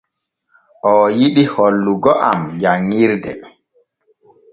Oo yiɗi hollugo am janŋirde.